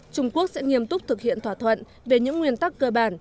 trung quốc sẽ nghiêm túc thực hiện thỏa thuận về những nguyên tắc cơ bản